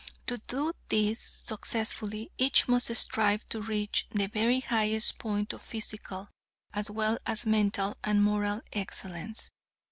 To do this successfully, each must strive to reach the very highest point of physical, as well as mental and moral excellence.